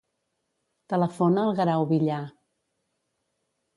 Telefona al Guerau Villar.